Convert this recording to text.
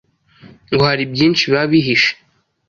ngo hari byinshi biba bihishe